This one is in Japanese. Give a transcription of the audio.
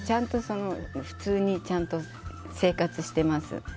普通にちゃんと生活してます。